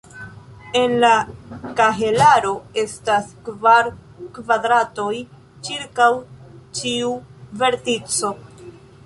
En la kahelaro estas kvar kvadratoj ĉirkaŭ ĉiu vertico.